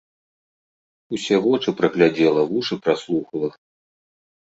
Усе вочы праглядзела, вушы праслухала.